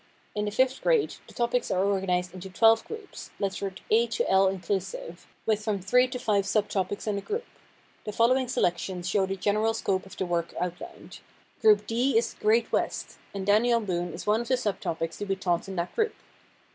In the fifth grade the topics are organized into twelve groups, lettered A to L inclusive, with from three to five sub topics in a group. The following selections show the general scope of the work outlined: Group D is "The Great West," and Daniel Boone is one of the sub topics to be taught in that group.